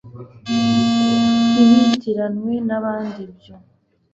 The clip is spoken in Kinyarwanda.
ntibitiranywe n abandi ibyo